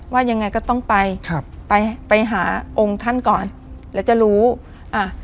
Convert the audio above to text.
ว่ายังไงก็ต้องไปครับไปไปหาองค์ท่านก่อนแล้วจะรู้อ่า